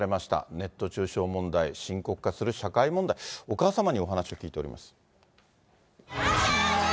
ネット中傷問題、深刻化する社会問題、お母様にお話を聞いております。